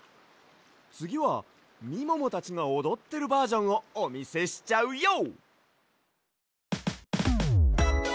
つぎはみももたちがおどってるバージョンをおみせしちゃうＹＯ！